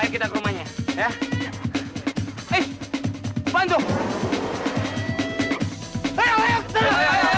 jangan berterus terangkan